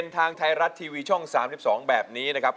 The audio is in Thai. ทางไทยรัฐทีวีช่อง๓๒แบบนี้นะครับ